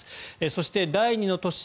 そして第２の都市